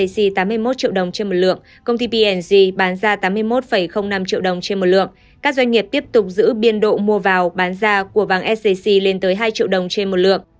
các doanh nghiệp tiếp tục giữ biên độ mua vào bán ra của vàng scc lên tới hai triệu đồng trên một lượng